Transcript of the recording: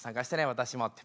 私もって。